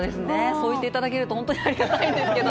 そう言って頂けるとほんとにありがたいんですけど。